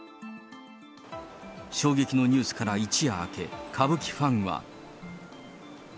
衝撃のニュースから一夜明け、歌舞伎ファンは。